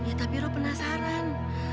ya tapi ro penasaran